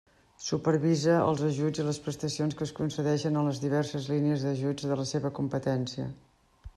Supervisa els ajuts i les prestacions que es concedeixen en les diverses línies d'ajuts de la seva competència.